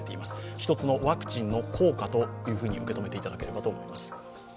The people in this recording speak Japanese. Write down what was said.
１つのワクチンの効果と受け止めていただければと思います。